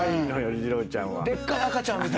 二郎ちゃんは。